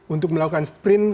untuk melakukan sprint